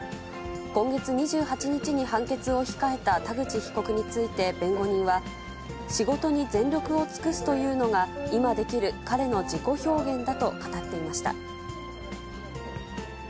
今月２８日に判決を控えた田口被告について弁護人は、仕事に全力を尽くすというのが、今できる彼の自己表現だと語っていました。